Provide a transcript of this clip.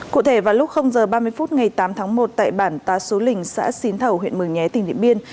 cụ thể vào lúc h ba mươi phút ngày tám tháng một tại bản ta số lình xã xín thầu huyện mường nhé tỉnh điện biên